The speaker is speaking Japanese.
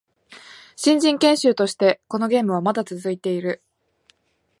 新人研修としてこのゲームはまだ続いている